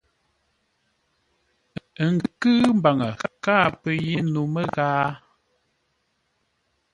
Ə nkʉ̂ʉ mbaŋə, káa pə́ yé no məghaa.